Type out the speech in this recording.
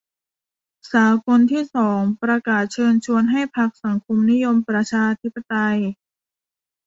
สากลที่สองประกาศเชิญชวนให้พรรคสังคมนิยมประชาธิปไตย